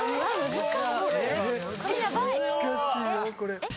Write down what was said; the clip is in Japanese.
・難しいよこれ。